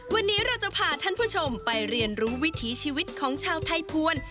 วันนี้เราจะพาท่านผู้ชมไปเรียนรู้วิถีชีวิตของชาวไทยภวร